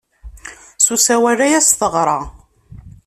S usawal ay as-teɣra.